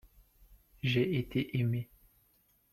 j'ai été aimé.